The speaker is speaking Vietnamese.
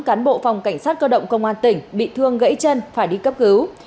cán bộ phòng cảnh sát cơ động công an tỉnh bị thương gãy chân phải đi cấp cứu